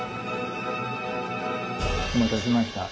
お待たせしました。